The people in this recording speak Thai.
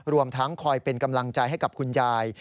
รวมทั้งคอยเป็นกำลังใจให้กับคุณยาย